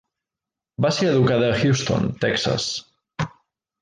Va ser educada a Houston, Texas.